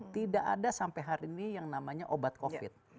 tidak ada sampai hari ini yang namanya obat covid